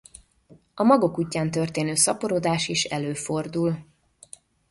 A magok útján történő szaporodás is előfordul.